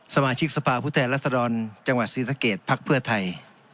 สมาชิกสภาพุทธแหลษฎรจังหวัดศรีสะเกดพรรคเพื่อไทย